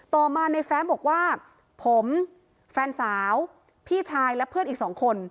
ต่อมาในแฟ้มบอกว่าผมแฟนสาวพี่ชายและเพื่อนอีกสองคน